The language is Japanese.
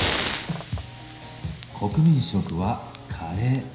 国民食はカレー。